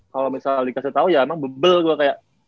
kalau misal dikasih tau ya emang bebel gue kayak